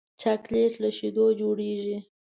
چاکلېټ له شیدو جوړېږي.